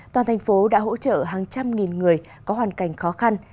toàn thành phố đã hỗ trợ hàng trăm nghìn người có hoàn cảnh khó khăn